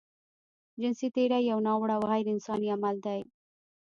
جنسي تېری يو ناوړه او غيرانساني عمل دی.